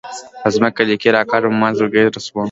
په ځمکه لیکې راکاږم او مات زړګۍ رسموم